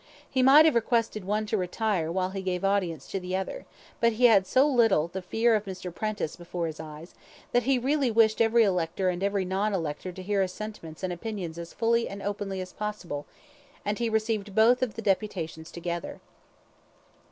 He might have requested one to retire while he gave audience to the other, but he had so little the fear of Mr. Prentice before his eyes, that he really wished every elector and every non elector to hear his sentiments and opinions as fully and openly as possible, and he received both of the deputations together.